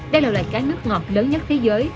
đây là loại cá nước ngọt lớn nhất thế giới